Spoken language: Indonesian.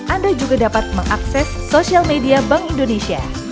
anda juga dapat mengakses sosial media bank indonesia